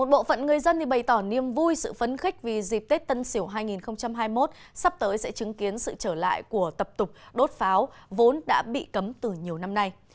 bộ phận người dân bày tỏ niềm vui sự phấn khích vì dịp tết tân sỉu hai nghìn hai mươi một sắp tới sẽ chứng kiến sự trở lại của tập tục đốt pháo vốn đã bị cấm từ nhiều năm nay